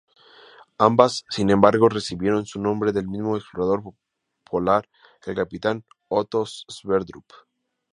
Ambas, sin embargo, recibieron su nombre del mismo explorador polar, el capitán Otto Sverdrup.